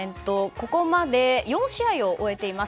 ここまで４試合を終えています。